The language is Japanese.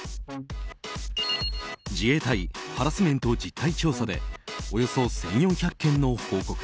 自衛隊ハラスメント実態調査でおよそ１４００件の報告。